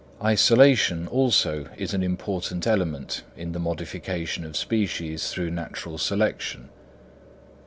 Isolation also is an important element in the modification of species through natural selection.